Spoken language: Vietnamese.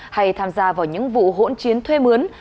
hay tham gia vào những vụ hỗn chiến thuê mướn